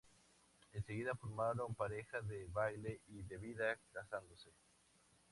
En seguida formaron pareja de baile y de vida, casándose.